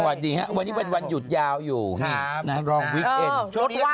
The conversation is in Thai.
สวัสดีครับวันนี้เป็นวันหยุดยาวอยู่นะครับ